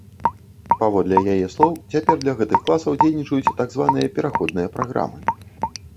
Паводле яе слоў, цяпер для гэтых класаў дзейнічаюць так званыя пераходныя праграмы.